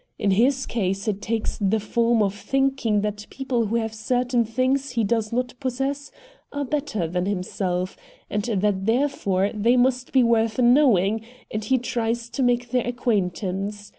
In his case it takes the form of thinking that people who have certain things he does not possess are better than himself; and that, therefore, they must be worth knowing, and he tries to make their acquaintance.